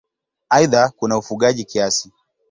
Aidha kuna ufugaji kiasi.